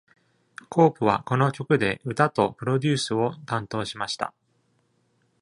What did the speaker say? コープはこの曲で歌とプロデュースを担当しました。